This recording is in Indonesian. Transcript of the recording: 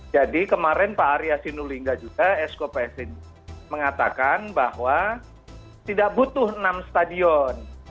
jadi kemarin pak arya sinulinga juga skpsd mengatakan bahwa tidak butuh enam stadion